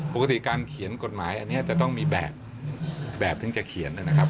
ปกติการเขียนกฎหมายอันนี้จะต้องมีแบบถึงจะเขียนนะครับ